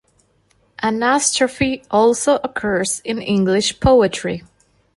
Anastrophe also occurs in English poetry.